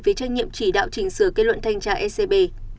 với trách nhiệm chỉ đạo chỉnh sửa kết luận thanh tra scb